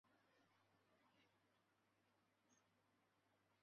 紫红鞘薹草为莎草科薹草属的植物。